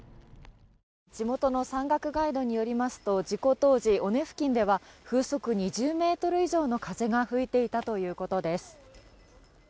地元の山岳ガイドによりますと事故当時、尾根付近では風速２０ｍ以上の風が吹いていたということです。